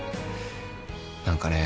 何かね